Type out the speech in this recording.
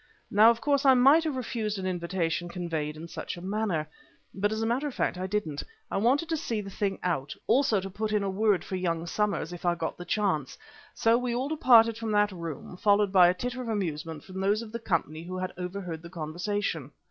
Now, of course, I might have refused an invitation conveyed in such a manner. But, as a matter of fact, I didn't. I wanted to see the thing out; also to put in a word for young Somers, if I got the chance. So we all departed from that room, followed by a titter of amusement from those of the company who had overheard the conversation.